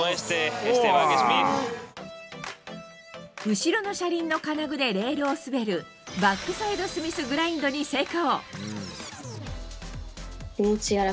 後ろの車輪の金具でレールを滑るバックサイドスミスグラインドに成功。